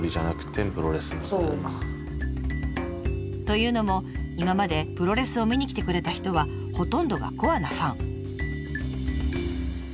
というのも今までプロレスを見に来てくれた人はほとんどがコアなファン。